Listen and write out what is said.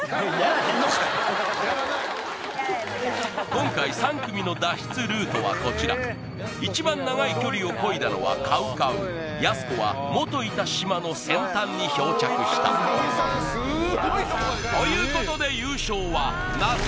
今回３組の脱出ルートはこちら一番長い距離を漕いだのはＣＯＷＣＯＷやす子は元いた島の先端に漂着したということで優勝は那須川天心